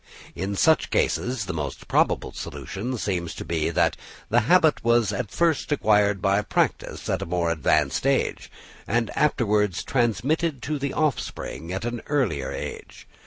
In such cases the most probable solution seems to be, that the habit was at first acquired by practice at a more advanced age, and afterwards transmitted to the offspring at an earlier age.